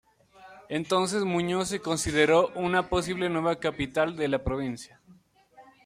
Entonces Muñoz se consideró una posible nueva capital de la provincia.